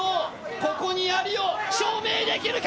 ここにありを証明できるか！